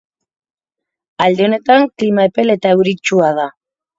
Alde honetan, klima epel eta euritsua da.